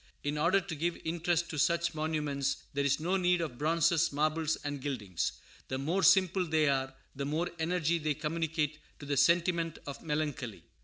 In order to give interest to such monuments, there is no need of bronzes, marbles, and gildings. The more simple they are, the more energy they communicate to the sentiment of melancholy.